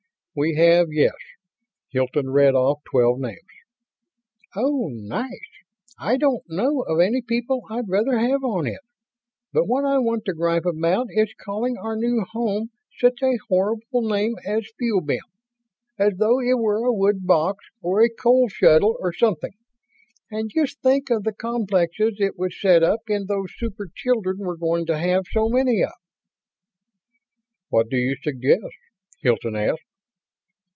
"We have, yes." Hilton read off twelve names. "Oh, nice. I don't know of any people I'd rather have on it. But what I want to gripe about is calling our new home world such a horrible name as 'Fuel Bin,' as though it were a wood box or a coal scuttle or something. And just think of the complexes it would set up in those super children we're going to have so many of." "What would you suggest?" Hilton asked.